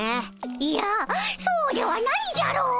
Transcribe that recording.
いやそうではないじゃろ！